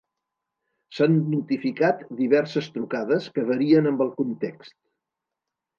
S'han notificat diverses trucades que varien amb el context.